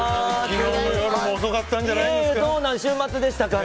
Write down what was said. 昨日の夜も遅かったんじゃないですか？